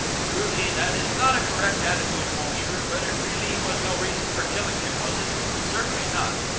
Truly that is not a correct attitude, monsieur, but really it was no reason for killing him, was it now? Certainly not.